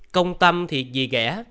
công tâm thì dì ghẻ